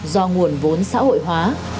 do nguồn vốn xã hội hóa